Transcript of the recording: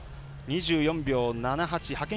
２４秒７８派遣